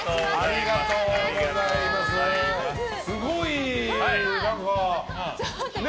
すごい、何かね。